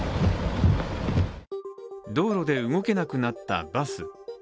道路で動けなくなったバス。